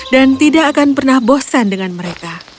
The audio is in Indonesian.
dan tidak akan pernah bosan dengan mereka